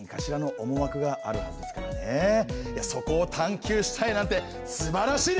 そこを探究したいなんてすばらしいですよ！